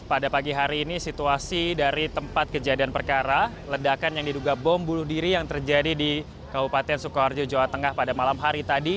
pada pagi hari ini situasi dari tempat kejadian perkara ledakan yang diduga bom bunuh diri yang terjadi di kabupaten sukoharjo jawa tengah pada malam hari tadi